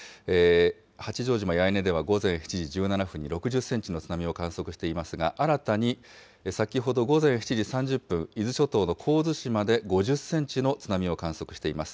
八丈島八重根では午前７時１７分に６０センチの津波を観測していますが、新たに先ほど午前７時３０分、伊豆諸島の神津島で５０センチの津波を観測しています。